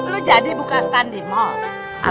lu jadi buka stand di mall